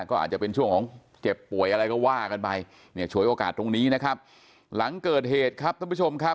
ก็อาจจะเป็นช่วงของเจ็บป่วยอะไรก็ว่ากันไปเนี่ยฉวยโอกาสตรงนี้นะครับหลังเกิดเหตุครับท่านผู้ชมครับ